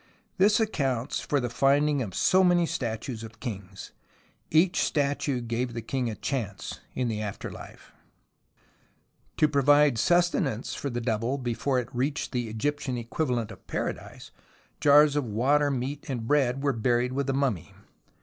This accounts for the finding of so many statues of kings ; each statue gave the king a chance in the afterlife. THE ROMANCE OF EXCAVATION 49 To provide sustenance for the double before it reached the Egyptian equivalent of Paradise, jars of water, meat and bread were buried with the mummy.